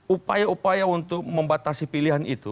upaya upaya untuk membatasi pilihan itu